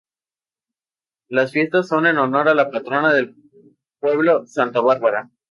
Las fiestas son en honor a la patrona del pueblo, Santa Bárbara.